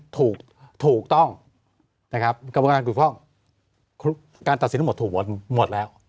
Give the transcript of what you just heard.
ถูกต้องนะครับกรรมการถูกป้องการตัดสินทั้งหมดถูกหมดแล้ว